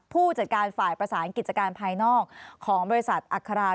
ผู้จัดการฝ่ายประสานกิจการภายนอกของบริษัทอัครา